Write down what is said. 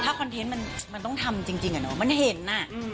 คอนเทนต์มันต้องทำจริงอะเนาะมันเห็นอ่ะ